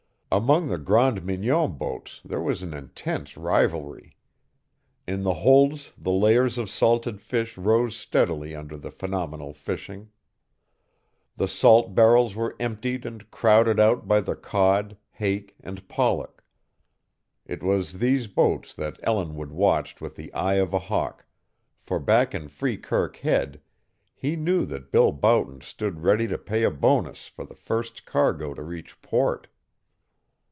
Among the Grande Mignon boats there was intense rivalry. In the holds the layers of salted fish rose steadily under the phenomenal fishing. The salt barrels were emptied and crowded out by the cod, hake, and pollock. It was these boats that Ellinwood watched with the eye of a hawk, for back in Freekirk Head he knew that Bill Boughton stood ready to pay a bonus for the first cargo to reach port.